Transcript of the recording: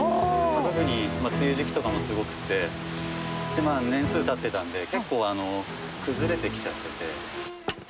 特に梅雨時期とかもすごくて、年数たってたんで、結構崩れてきちゃってて。